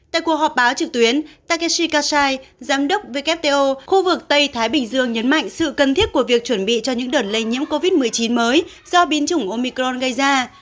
tại cuộc họp báo trực tuyến takeshi kasai giám đốc wto khu vực tây thái bình dương nhấn mạnh sự cần thiết của việc chuẩn bị cho những đợt lây nhiễm covid một mươi chín mới do biến chủng omicron gây ra